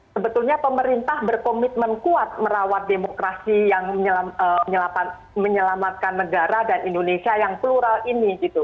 sebetulnya pemerintah berkomitmen kuat merawat demokrasi yang menyelamatkan negara dan indonesia yang plural ini gitu